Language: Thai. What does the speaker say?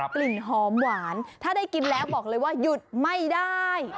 กลิ่นหอมหวานถ้าได้กินแล้วบอกเลยว่าหยุดไม่ได้